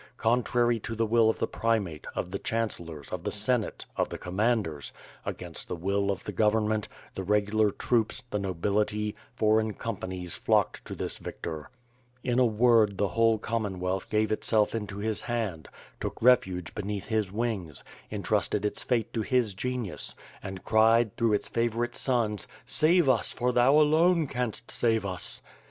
Contrary to the will of the Primate, of the chancellors, of the Senate, of the commanders, against the will of the government, the regular troops, the nobility, foreign companies, flocked to this victor — in a word the whole Commonwealth gave itself into his hand; took refuge be 37 ^ift mtB nkE AND SWORD. neath his wings; entrusted its fate to his genius, and cried, through its favorite sons, "Save us, for thou alone canst save us!"